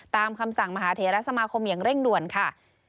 ตามคำสั่งมหาเทรสมาคมอย่างเร่งด่วนค่ะ